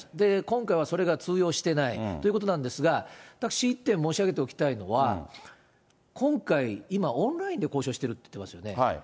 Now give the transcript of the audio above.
今回はそれが通用してないということなんですが、私、一点申し上げておきたいのは、今回、今、オンラインで交渉してるって言ってますよね。